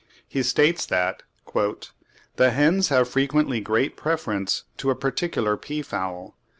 He states that "the hens have frequently great preference to a particular peafowl.